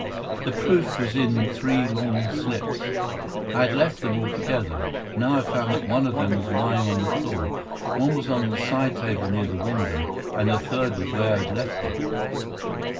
The proof was in three long slips. I had left them all together. Now, I found that one of them was lying on the floor, one was on the side table near the window, and the third was where I had left it."